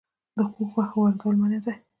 د خوګ غوښه واردول منع دي